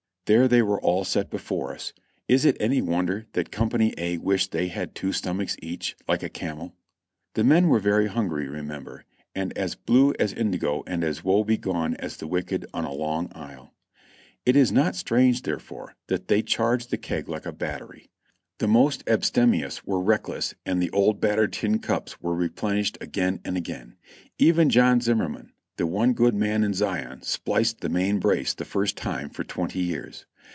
There they were all set before us ; is it any wonder that Com pany A wished they had two stomachs each, like a camel? The men were very hungry, remember, and as blue as indigo and as woe be gone as the wicked on a lone isle. It is not strange, therefore, that they charged that keg like a battery. The most abstemious were reckless and the old battered tin cups were replenished again and again; even John Zimmerman, the one good man in Zion, spliced the main brace the first time for twenty years.